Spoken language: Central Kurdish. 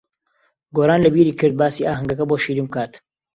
گۆران لەبیری کرد باسی ئاهەنگەکە بۆ شیرین بکات.